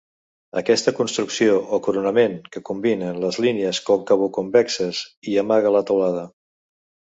Aquesta construcció o coronament que combina les línies concavoconvexes i amaga la teulada.